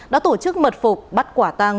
đã tổ chức mật phục bắt quả tàng